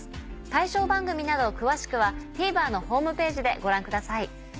対象番組など詳しくはＴＶｅｒのホームページでご覧ください。